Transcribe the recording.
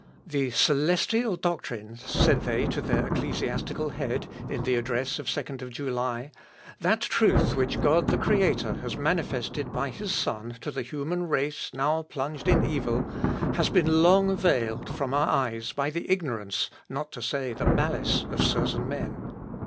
"The celestial doctrine," said they to their ecclesiastical head, in the address of 2nd July, "that truth which God the Creator has manifested by his Son to the human race now plunged in evil, has been long veiled from our eyes by the ignorance, not to say the malice of certain men.